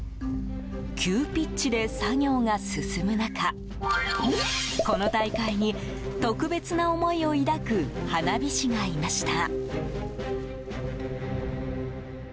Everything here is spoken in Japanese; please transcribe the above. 急ピッチで作業が進む中この大会に、特別な思いを抱く花火師がいました。